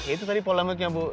itu tadi polemiknya bu